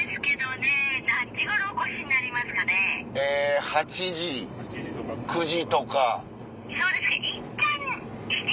え８時９時とか。